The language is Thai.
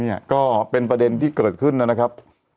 เนี่ยก็เป็นประเด็นที่เกิดขึ้นนะครับ